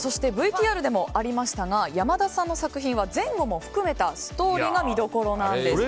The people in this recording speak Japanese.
ＶＴＲでもありましたが山田さんの作品は前後も含めたストーリーが見どころなんです。